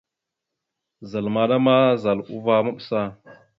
Zal maɗa ma, zal uvah maɓəsa.